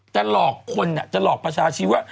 จะหลอกคนอยากยกภาษาสิวะ